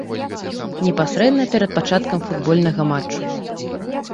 Непасрэдна перад пачаткам футбольнага матчу.